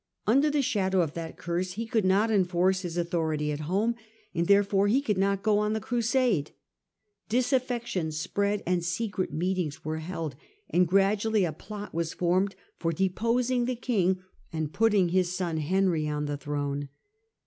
Under the shadow of that curse he could not enforce his authority at home, and therefore he could not go on the crusade. Disaffection spread, secret ^^^jeetings were held, and gradually a plot was formed ' BeToit of for deposing the king and putting his son pero^s' Henry on the throne.